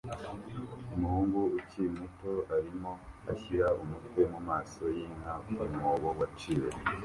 Umuhungu ukiri muto arimo ashyira umutwe mu maso y'inka umwobo waciwe